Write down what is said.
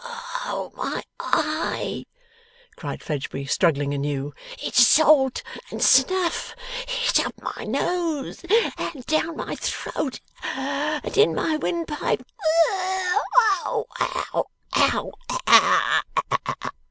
'Oh my eye!' cried Fledgeby, struggling anew. 'It's salt and snuff. It's up my nose, and down my throat, and in my wind pipe. Ugh! Ow! Ow! Ow!